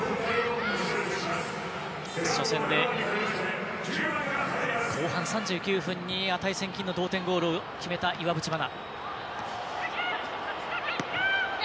初戦で後半３９分に値千金のゴールを決めた岩渕真奈。